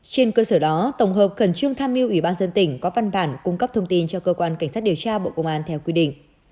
trên cơ sở đó tổng hợp khẩn trương tham mưu ủy ban dân tỉnh có văn bản cung cấp thông tin cho cơ quan cảnh sát điều tra bộ công an theo quy định